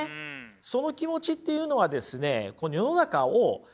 その気持ちっていうのはですね